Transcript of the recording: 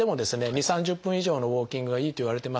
２０３０分以上のウォーキングがいいといわれてます。